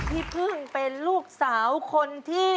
พี่พึ่งเป็นลูกสาวคนที่